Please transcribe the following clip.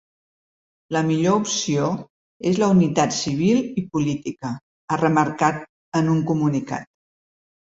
La millor opció és la unitat civil i política, ha remarcat en un comunicat.